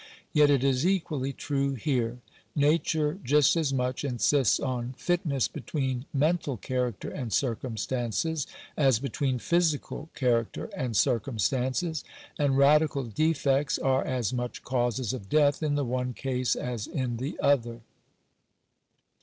Yet it is equally true here. Nature just as much insists on fitness between men tal character and circumstances, as between physical character and circumstances ; and radical defects are as much causes of death in the one case as in the other.